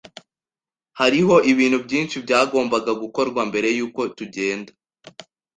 Hariho ibintu byinshi byagombaga gukorwa mbere yuko tugenda.